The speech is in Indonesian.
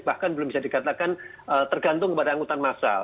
bahkan belum bisa dikatakan tergantung kepada anggutan masal